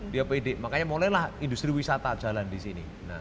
dia pede makanya mulailah industri wisata jalan di sini